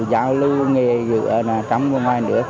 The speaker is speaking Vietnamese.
giáo lưu nghề dựa trong và ngoài nước